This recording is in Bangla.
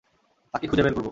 তাকে খুঁজে বের করব।